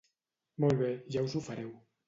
Molt bé, ja us ho fareu.